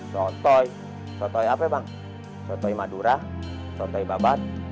sotoi sotoi apa bang sotoi madura sotoi babat